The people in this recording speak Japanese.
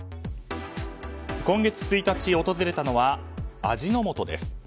今月１日訪れたのは味の素です。